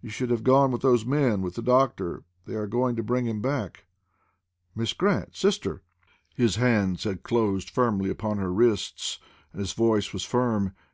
You should have gone with those men with the doctor. They are going to bring him back." "Miss Grant, sister!" His hands had closed firmly upon her wrists, and his voice was firm.